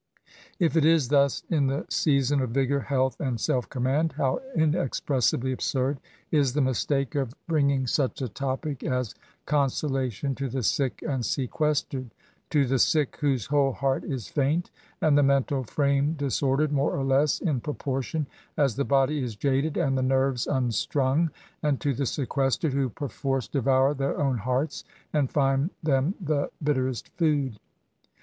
If it is thus in the jseason of vigour, health, and self command, how jijpxpressibly absurd is the mistake of bringing SYMPATHY TO THIS INVALID. 21 9acE a topic as consolation to the sick and seques tered !— to the sick^ whose whole heart is faint, and the mental frame disordered, more or less, in proportion as the body is jaded and the nerves mxstrung; and to the sequestered, who perforce devour their own hearts, and find them the bitter est food